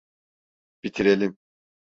Bitirelim.